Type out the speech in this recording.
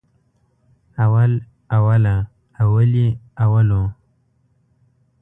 اول، اوله، اولې، اولو